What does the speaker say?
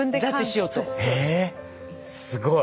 えすごい。